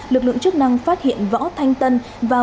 lực lượng chức năng phát hiện võ thanh tân và võ thanh tân